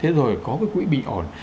thế rồi có cái quỹ bình ồn